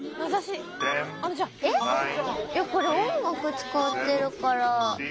これ音楽使ってるから。